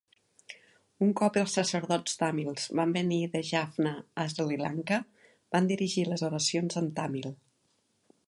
Un cop els sacerdots tàmils van venir de Jaffna a Sri Lanka, van dirigir les oracions en tàmil.